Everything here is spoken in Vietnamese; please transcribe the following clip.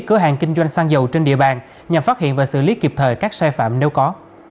cửa hàng kinh doanh xăng dầu trên địa bàn nhằm phát hiện và xử lý kịp thời các sai phạm nếu có